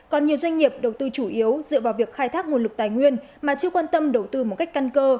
còn nhiều doanh nghiệp đầu tư chủ yếu dựa vào việc khai thác nguồn lực tài nguyên mà chưa quan tâm đầu tư một cách căn cơ